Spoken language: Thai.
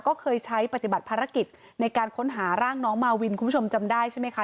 ก็เคยใช้ปฏิบัติภารกิจในการค้นหาร่างน้องมาวินคุณผู้ชมจำได้ใช่ไหมคะ